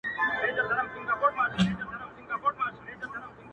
• مستي، مستاني، سوخي، شنګي د شرابو لوري.